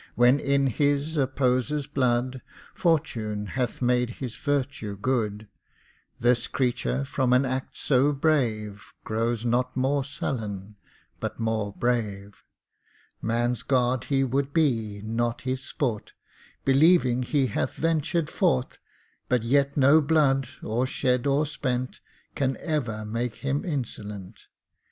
When in his opposer's blood Fortune hath made his virtue good, This creature from an act so brave Grows not more sullen, but more brave. Man's guard he would be, not his sport, Believing he hath ventured for't; But yet no blood, or shed or spent, Can ever make him insolent.